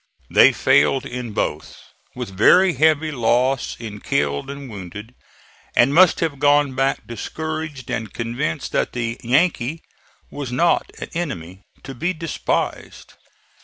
They failed in both, with very heavy loss in killed and wounded, and must have gone back discouraged and convinced that the "Yankee" was not an enemy to be despised.